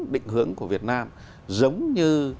định hướng của việt nam giống như